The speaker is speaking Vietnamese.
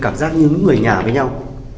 cảm giác như những người nhà với nhau